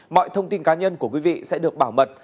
mọi thông tin cá nhân của quý vị sẽ được bảo mật